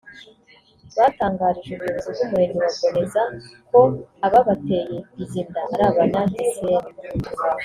batangarije ubuyobozi bw’umurenge wa Boneza ko ababateye izi nda ari Abanyagisenyi